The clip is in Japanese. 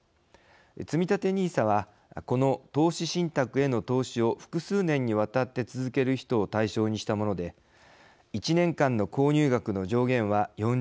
つみたてＮＩＳＡはこの投資信託への投資を複数年にわたって続ける人を対象にしたもので１年間の購入額の上限は４０万円。